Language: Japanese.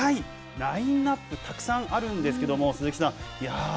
ラインナップ、たくさんあるんですけども鈴木さん